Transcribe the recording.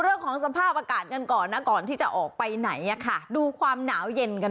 เรื่องของสภาพอากาศกันก่อนนะก่อนที่จะออกไปไหนดูความหนาวเย็นกัน